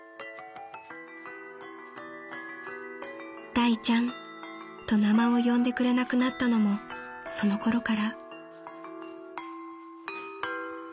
［「大ちゃん」と名前を呼んでくれなくなったのもそのころから］